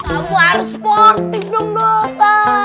kamu harus sportif dong dot